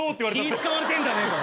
気使われてんじゃねえか。